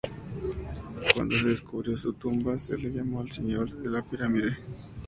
Cuando se descubrió su tumba se le llamó el Señor de la Pirámide.